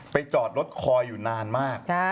จอดรถคอยอยู่นานมาก